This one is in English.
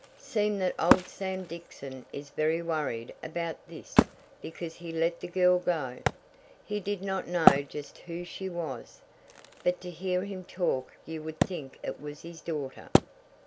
Seems that old Sam Dixon is very worried about this because he let the girl go. He did not know just who she was, but to hear him talk you would think it was his daughter.